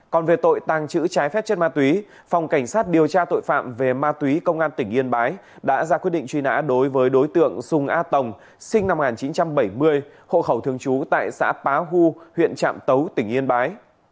còn về tội tàng trữ trái phép chất ma túy phòng cảnh sát điều tra tội phạm về ma túy công an tỉnh yên bái đã ra quyết định truy nã đối với đối tượng sùng a tổng sinh năm một nghìn chín trăm bảy mươi hộ khẩu thường trú tại xã bá hu huyện trạm tấu tỉnh yên bái